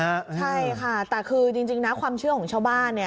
ใช่ค่ะแต่คือจริงนะความเชื่อของชาวบ้านเนี่ย